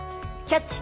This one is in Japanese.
「キャッチ！